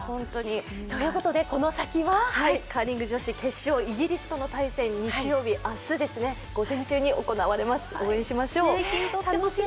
この先はカーリング女子決勝、イギリスとの対戦、明日ですね、午前中に行われます応援しましょう。